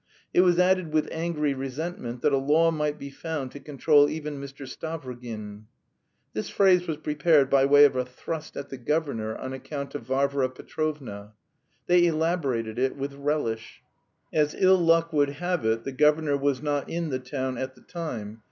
It was added with angry resentment that "a law might be found to control even Mr. Stavrogin." This phrase was prepared by way of a thrust at the governor on account of Varvara Petrovna. They elaborated it with relish. As ill luck would have it, the governor was not in the town at the time.